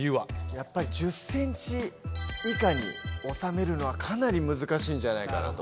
やっぱり１０ｃｍ以下に収めるのはかなり難しいんじゃないかと。